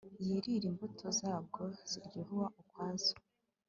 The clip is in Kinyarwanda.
yirire imbuto zabwo ziryoha ukwazo